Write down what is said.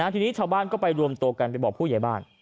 ทีนี้ชาวบ้านก็ไปรวมตัวกันไปบอกผู้ใหญ่บ้าน